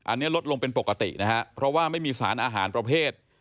อันนี้ลดลงเป็นปกตินะฮะเพราะว่าไม่มีสารอาหารประเภท